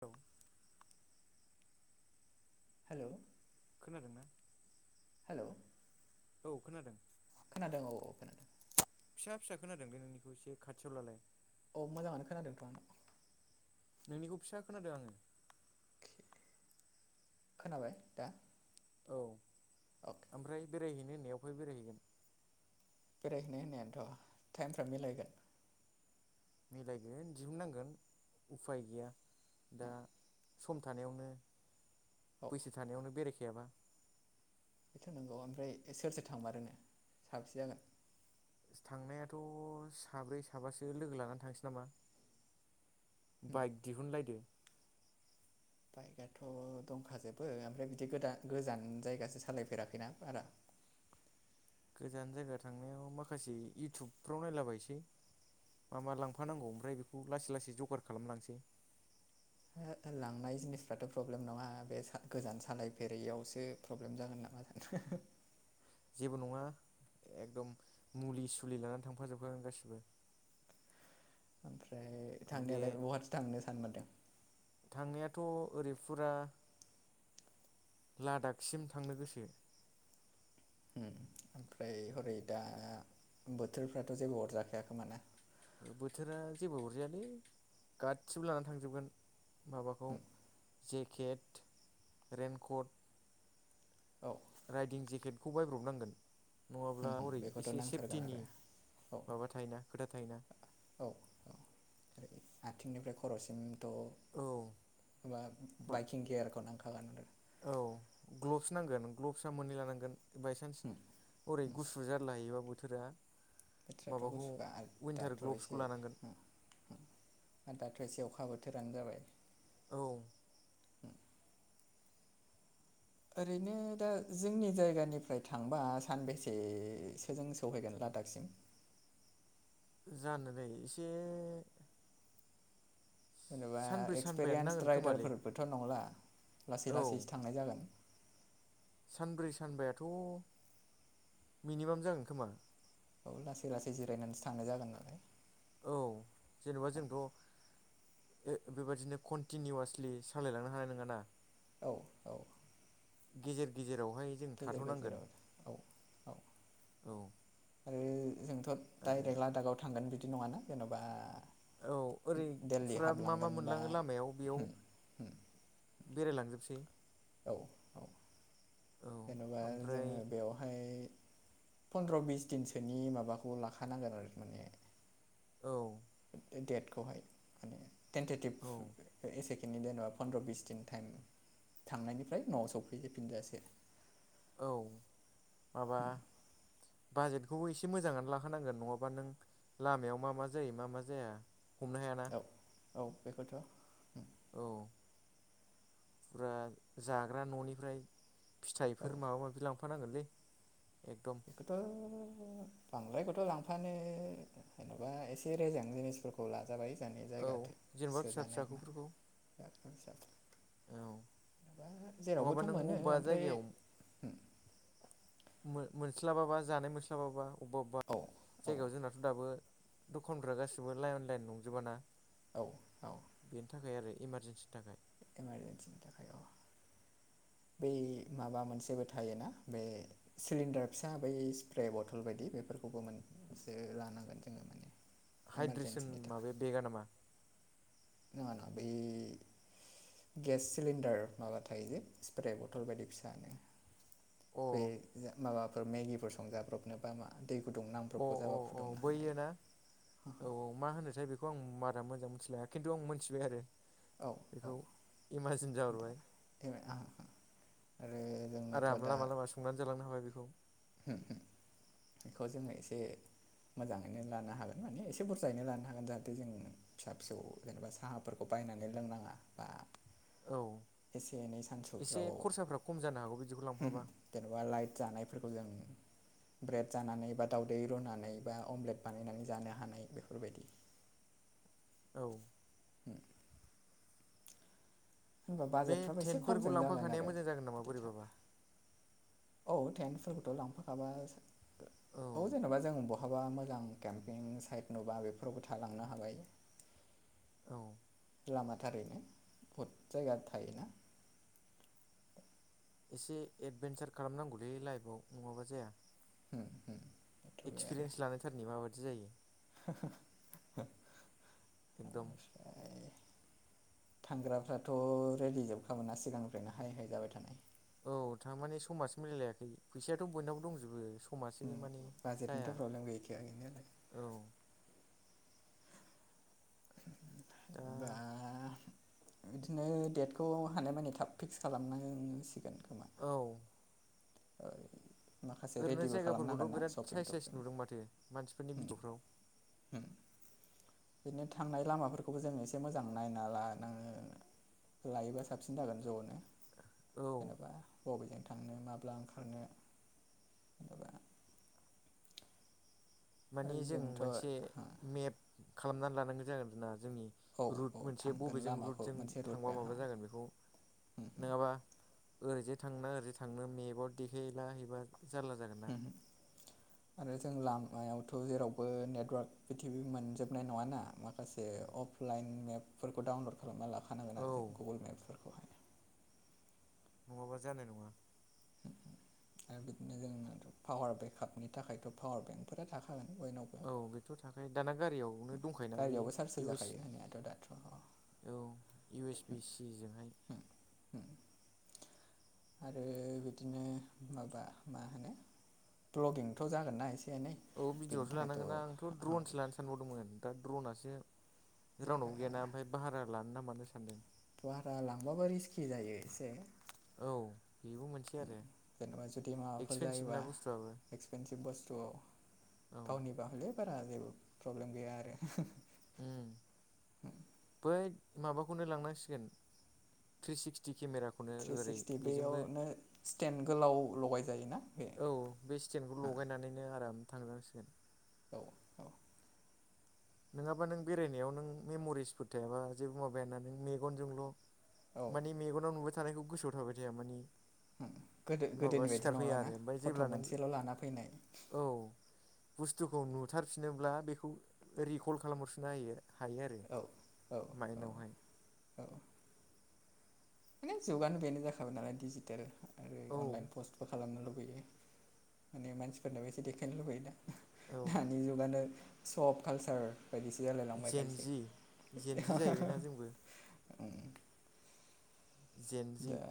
औ। हेलौ खोनादोंना औ। औ खोनादों। खोनादों औ खोनादों फिसा फिसा खोनादों बे नोंनिखौ एसे खाथियाव लालाय अ मोजां आनो खोनादों थह। नोंनिखौ फिसा खोनादों आङो खोनाबाय दा। औ अके ओमफ्राय बेरायहैनो होननाया अबेहाय बेरायहैगोन। बेरायहैनो होननायानोथ' टाइमफ्रा मिलायगोन। मिलायगोन दिहुननांगोन उफाय गैया। दा सम थानायावनो औ बैसो थानायावनो बेरायखायाबा। बेथ' नंगौ ओमफ्राय सोर सोर थांमारोनो साबसे जागोन थांनायाथ' साब्रै साबासो लोगो लानानै थांसै नामा। उम, बाइक दिहुनलायदो। बाइकआथ' दंखाजोबो ओमफ्राय बिदि गोान गोजान जायगासो सालायफेराखैना बारा गोजान जायगा थांनायाव माखासे इउटुबफ्राव नायलाबायसै मा मा लांफानांगौ ओमफ्राय बेखौ लासै लासै जगार खालामलांसै। लांनाय जिनिसफ्राथ' प्रब्लेम नङा बे गोजान सालायफेरैआवसो प्रब्लेम जागोन नामा। [unintelligible] [inaudible] जेबो नङा एकदम मुलि सुलि लानानै थांफाजोबखागोन गासिबो [unintelligible] ओमफ्राय बे थांनायालाय बहाथो थांनो सान मारदों थांनायाथ' ओरै फुरा लादाखसिम थांनो गोसो उम ओमफ्राय हरै दा बोथोरफ्राथ' जेबो अरजाखायाखोमाना। बोथोरा जेबो अरजायालै गासिबो लानानै थांजोबगोन। माबाखौ जेकेट रेनकट औ राइदिं जेकेटखौ बायब्रबनांगोन नङाब्ला हरै बेखौथ' एसे नांथारगोन आरो सेफटिनि औ माबा थायोना खोथा थायोना। औ औ आथिंनिफ्राय खर'सिम थ' औ मा बा बाइकिं गियारखौ नांखागोन आरो औ ग्लभ्स नांगोन ग्लभ्सआ मोननै लानांगोन। बायसान्स हरै गुसु जारलाहायोबा बोथोरा बोथोराथ' माबाखौ गुसुखाआ आरो उइन्टार दाथ' ग्लब्सखौ एसे लानांगोन आरो दाथ खायसेयावखा बोथोरानो जाबाय ‌। औ उम ओरैनो दा जोंनि जायगानिफ्राय थांबा सानबेसेसो जों सहैगोन लादाकसिम जानो दैै एसे जेनेबा सानब्रै सानबायानो नांगोन एक्सपिरियेन्स खोमालै राइदारफोरबोथ' नंला लासै औ लासैसो थांनाय जागोन सानब्रै सानबाथ' मिनिमाम जागोन खोमा। औ लासै लासै जिरायनानैसो थांनाय जागोन नालाय। औ बे बेबादिनो कन्टिनिउवासलि सालायलांनो हानाय नङा ना औ औ। गेजेर गेजेरावहाय जों गेजेर थाथ'नांगोन गेजेराव औ औ औ आरो जोंथ' आरो डाइरेक्ट लादागाव थांगोन बिदि नङाना जेन'बा औ ओरै दिल्ली फुरा मा मा हाबलांगोन बा मोनलाङो लामायाव बेयाव बेरायलांजोबसै। औ औ औ जेन'बा ओमफ्राय जोङो बेवहाय फनन्द्र' बिस दिनसोनि माबाखौ लाखानांगोन आरो माने औ डेटखौहाय माने औ टेेनटेटिभ एसे बिनि जेने'बा पन्द्र बिस दिन टाइम थांनायनिफ्राय न'आव सौफैजोबफिनजासे औ माबा बाजेटखौबो एसे मोजाङानो लाखोनांगोन नङाबा नों लामायाव मा मा जायो मा मा जाया हमनो हायाना। औ औ बेखौथ' औ फुरा जाग्रा न'निफ्राय औ फिथाइफोर माबा माबि लांफानांगोनलै एकदम बेथ' बांद्रायखौथ' लांफानो जेन'बा एसे रोेजें जिनिसफोरखौ लाजाबाय। गोजाननि औ जायगाथ जेनेबा फिसा सोजानाय मानो [unintelligible] फिसाखौफोरखौ थ जाथ' औ जेनबा नङाबा जेरावबोथ' नों मोनो अबेबा ओमफ्राय जायगायाव मोनस्लाबाबा जानाय मोनस्लाबाबा अबेबा अबेबा औ औ जायगायाव जोंनाथ' दाबो दखानफ्रा गासिबो लाइन लाइन नंजोबाना औ बेनि थाखाय आरो इमारजेन्सिनि थाखाय। इमारजेेनसिनि थाखाय औ [inaudible] बै माबा मोनसेबो थायोना बे सिलिणडार फिसा बै स्प्रे बथल बायदि बेफोर फोरखौबो मोनसे लानांगोन जोङो माने हाइद्रेसन इमारजेन्सिनि थाखाय माबाया बेगा नामा खान बे गेस सिलिन्दार माबा थायो जे स्प्रे बथल बायदि फिसानो अ बे माबाफोर मेगिफोर संजाब्रबनोबा मा दै गुदुं अ नांब्रबगौ अ जाबा अ फुदुंनो हानाय बैयो ना औ मा होनोथाय बेखौ बेखौ आं बारा मोजां मोनथिलाया खिन्थु आं मिथिबाय आरो। औ औ बेखौ इमाजिन दा जाहरबाय आरो आरो जोंनोथ' दा लामा लामा संनानै जालांनो हाबाय बेखौ बेखौ जोङो एसे मोजाङैनो लानो हागोन माने एसे बुरजायैनो लानो हागोन जाहाथे जों फिसा फिसौ जेनेबा साहाफोरखौ बाय बायनानै लोंनाङा बा औ एसे एनै एसे सानसुफ्राव खरसाफ्रा खम जानो हागौ बिदिखौ लांफाबा जेनेबा लाइट जानायफोरखौ जों ब्रेड जानानै बा दावदै रुनानै बा अमलेट बानायनानै जानो हानाय बेफोरबायदि औ [inaudible] हबा बे बाजेटफ्राबो एसे टेन्टफोरखौ खमजों जागोन लांफाखानाया आरो मोजां जागोन नामा बिदि बोरैबाबा थाबा। थेंसफोरखौथ' लांफाखाबाय औ जेन'बा जों बहाबा मोजां केम्पिं साइट नुबा बेफोरावबो थालांनो हाबाय औ। लामाथारैनो बहुद जायगा थायोना एसे एदभेनसार खालामनांगौलै लाइफआव नङाबा जाया। बेथ' बे आरो एक्सपिरियेन्स लानायथारनि माबायदि जायो। [unintelligible] एकदम थांग्राफ्राथ' रेडि जोबखामोनना सिगांनिफ्रायनो हाय हाय जाबाय थानाय। औ थारमाने समासो मिलायलायाखै फैसायाथ' बयनाव दंजोबो खमासो मानि बाजेटनिथ' जाया प्रब्लेम गैखाया गैनायालाय औ दा बिदिनो डेटखौ हानायमानि थाब फिक्स खालामना होसिगोन औ [unintelligible] माखासे ओरैनो रेडिबो खालामनांगोन जायगाफोरखौथ' ना बिराद सपिं साइस साइस टपिं नुदों माथो मानसिफोरनि भिडिअफ्राव [inaudible] बिदिनो थांनाय लामाफोरखौबो जोंङो‌ एसे मोजां नायना लानाङो लायोबा साबसिन जागोन ज'नो औ जेनेबा बबेजों थांनो माब्ला ओंखारनो जेनेबा माने जों मोनसे जोंथ' मेप खालामनानै लानांगौ जागोन आरोना जोंनि औ औ रुट मोनसे थांगोन बबेजों लामाखौ रुटजों मोनसे रुट थांबा बे हा माबा जागोन बेखौ नङाबा ओरैजे थांना ओरैजे थांनो मेपआव देखायहला एबा जारला जागोन ना आरो जों लामायावथ जेरावबो नेटवार्क पिथिबि मोनजोबनाय नङाना माखासे अफलाइन मेपफोरखौ डाउनलड खालामनानै लाखानांगोन औ आरो जों गुगोल मेपफोरखौहाय नङाबा जानाय नङा आरो बिदिनो जोंनाथ पावार बेकआपनि थाखायथ पावार बेंकफोरा थाखा औ बेथ' थाखायो दाना गारियावनो दंखायोना बैयो गारियावबो चार्ज इउस होजाखायो होननायाथ' दाथ' होम औ इउ एस बि सि जोंहाय ह आरो बिदिनो माबा मा होनो भ्लगिंथ' जागोनना एसे एनै औ बेनि भिडिअ'सो थाखायथ' लानांगोनना आंथ' ड्रनसो लानो सानबावदोंमोन दा द्रनासो रावनावबो गैयाना ओमफ्राय भारा लानो ना मानो सानदों भारा लांबाबो रिस्कि जायो एसे औ बेबो मोनसे आरो जेनेबा जुदि माबाफोर एक्सपेनसिभ जायोबा ना बुस्थुआबो एक्सपेनसिभ बुस्थुआव औ गावनिबा हले बारा जेबो प्रब्लेम गैया आरो उम हैद माबाखौनो लानांसिगोन थि सिकटि केमेराखौनो थ्रि ओरै सिक्सटि बेजोंबो बेयावनो स्टेन्ड गोलाव लगाय जायोना बे औ बे स्टेनखौ हा लगायनानैनो आराम थांनांसिगोन औ औ नङाबा नों बेरायनायाव नों मेम'रिसफोर थायाबा जेबो माबाया ना नों मेगनजोंल' औ मानि मेगनाव नुबाय थानायखौ गोसोआव थाबाय थाया माने गोदो माबा गोदोनि बायदि सिखारफैया आरो नंलाना ओमफ्राय फट' जेब्ला नों मोनसेल' लाना फैनाय औ बुस्थुखौ नुथारफिनोब्ला बेखौ रिकल खालामहरफिननो हायो हायो आरो औ औ औ माइदनावहाय औ माने जुगानो बेनो जाखाबाय नालाय डिजिटेल आरो औ अनलाइन पस्तबो खालामनो लुबैयो लैयो माने मानसिफोरनाबो एसे देखायनो लुबैयो दा औ दानि जुगानो सब कालसार बायदिसो जालायलांबायखायसे जेनजि जेनजि जाहैबायना जोंबो जेनजि दा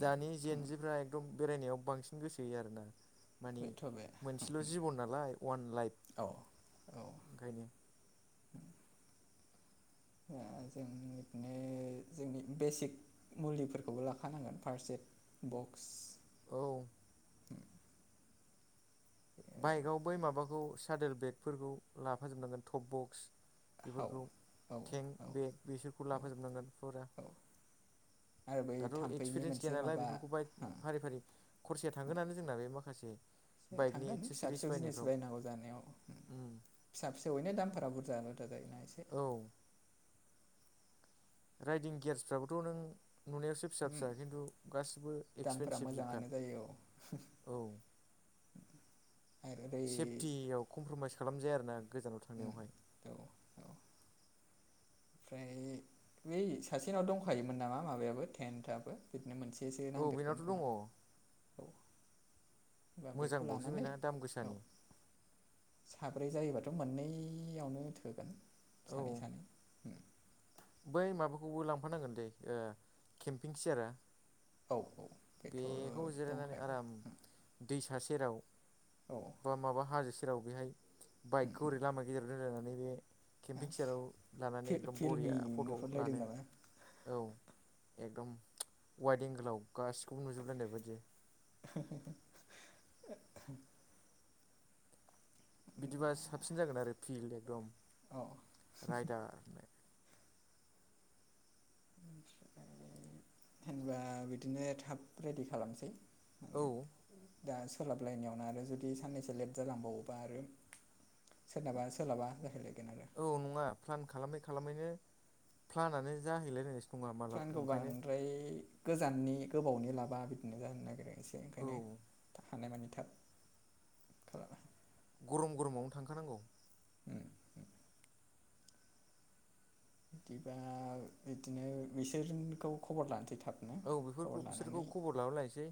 दानि थांबाय जेेनजिफ्रा एकदम बेरायनायाव बांसिन गोसो होयो आरोना माने थ'बाय मोनसेल जिबन नालाय वान लाइफ औ ओंखायनो दा जों बिदिनो जोंनि बेसिक मुलिफोरखौबो लाखानांगोन फार्स्ट एड बक्स औ [unintelligible] बाइकाव बै माबाखौ सादेल बेगफोरखौ लाफाजोबनांगोन टप बक्स औ बेफोरखौ औ औ टेंक बेग बेसफोरखौ लाफोजोबनांगोन फुरा औ आरो बै दाथ' थाम्फैनि एक्सपिरियेन्स गैया मोनसे नालाय माबा बेफोरखौ बाय फारि फारि खरसाया थांगोनानो जोंना बे माखासे बाइकनि थांगोन फिसा एक्सेसरिस फिसौ जिनिस बायनायफ्राव बायनांगौ जानायाव उम फिसा फिसौयैनो दामफोरा बुरजा दनायसे औ राइदिं गियार्सफ्राबोथ' नों नुनायावसो फिसा फिसा खिन्थु गासिबो दामफोरा एक्सपेनसिब जोबखा मोजाङानो औ [unintelligible] आरो ओरै सेफटियाव कमप्रमाइस खालामजाया आरो ना गोजानाव थांनायावहाय औ औ ओमफ्राय बै सासेनाव दंखायोमोन नामा माबायाबो टेन्थाफोराबो बि नो मोनसेसो औ नांदेरगोन बेनावथ' दङ खोमा औ होनबा बेखौ मोजांबावसो लानानै बेना दाम औ गोसानि साब्रै जायोबा दाथ' मोननैआवनो थोगोन सानै औ सानै बै माबाखौबो लांफानांगोन दैे ओ केम्पिं सियारा औ औ बेथ' बेखौ जिरायनानै दंखायो आराम दै था सेराव औ बा माबा हाजो से सेराव बेहाय बाइकखौ ओरै लामा गेजेराव दोनलायनानै बे केम्पिं सेयाराव लानानै एकदम फिल्मि बरिया फट' नुहुरलायदों लानो नामा औ एकदम वाइद एंगोलाव गासिखौबो नुजोबलायनाय बायदि [unintelligible] बिदिबा साबसिन जागोन आरो फिल्ड एकदम औ रायदार होननाय ओमफ्राय होनबा बिदिनो थाब रेडि खालामसै औ माने दा सोलाबलायनायावनो आरो जुदि साननैसो लेट जालांबावोबा आरो सोलाबा सोलाबा जाहैलायगोन आरो औ नङा प्लान खालामै खालामैनो प्लानानो जाहैलाया फ्लानखौ बांद्राय गोजाननि गोबावनि लाबा बिदिनो जानो नागिरो एसे औ ओंखायनो हानायमानि थाब खालामा गरम गरमावनो थांखानांगौ बिदिबा बिदिनो बिसोरखौ खबर लानोसै थां औ बेफोरखौ बिसोरखौ खबर लाबो लायसै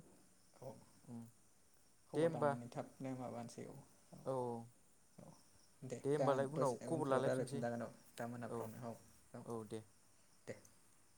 औ खबर लानानै थाबनो माबानोसै औ औ औ दे दा होमबालाय उनाव दसे खबर उनफ्राव लालायफिनसै रायज्लायफिनजागोन औ दा औ मोनाफोरावनो औ औ दे [inaudible]